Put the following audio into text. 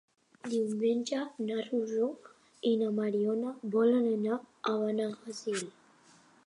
Diumenge na Rosó i na Mariona volen anar a Benaguasil.